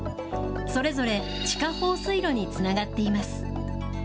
それぞれ地下放水路につながっています。